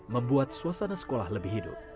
membuat suasana sekolah lebih hidup